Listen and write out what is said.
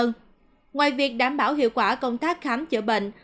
ngoài việc đảm bảo hiệu quả công tác khám chữa bệnh